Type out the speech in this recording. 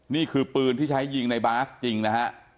นี่คือปืนที่ใช้ยิงในบาสจริงนะฮะ